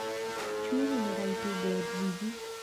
Ĉu ili ne rajtu geedziĝi?